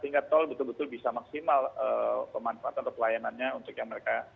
sehingga tol betul betul bisa maksimal pemanfaatan atau pelayanannya untuk yang mereka